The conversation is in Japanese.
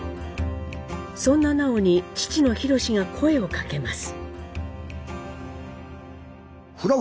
そんな南朋に父の宏が声をかけます。